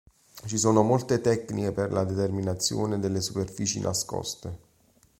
Ci sono molte tecniche per la determinazione delle superfici nascoste.